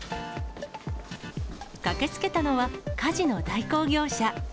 駆けつけたのは、家事の代行業者。